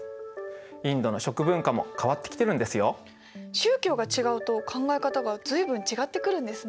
宗教が違うと考え方が随分違ってくるんですね。